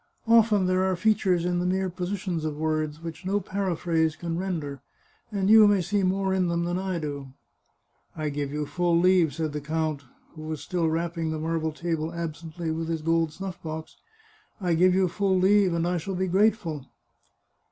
"Often there are features in the mere positions of words which no para phrase can render, and you may see more in them than I do." " I give you full leave," said the count, who was still rapping the marble table absently with his gold snuflF box ;" I give you full leave, and I shall be grateful."